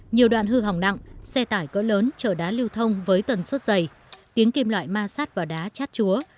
nhiều đoạn hư hỏng nặng xe tải cỡ lớn chở đá lưu thông với tần suất dày tiếng kim loại ma sát và đá chát chúa